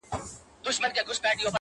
زما د ژوند د كرسمې خبري؛